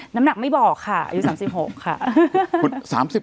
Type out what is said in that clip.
น้ำหนักไม่บอกค่ะอายุ๓๖ค่ะ